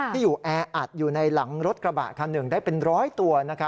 ที่อยู่แออัดอยู่ในหลังรถกระบะคันหนึ่งได้เป็นร้อยตัว